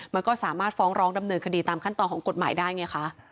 มันก็สามารถฟ้องร้องดำเนินคดีตามขั้นตอนของกฎหมายได้ไงคะ